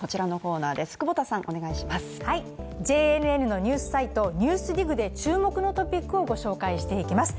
ＪＮＮのニュースサイト「ＮＥＷＳＤＩＧ」で注目のトピックをご紹介していきます。